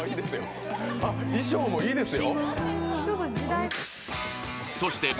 あっ、衣装もいいですよ。